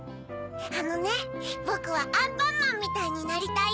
あのねぼくはアンパンマンみたいになりたいんだよ。